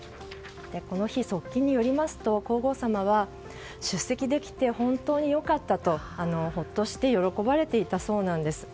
この日、側近によりますと皇后さまは出席できて本当に良かったとほっとして喜ばれていたそうなんです。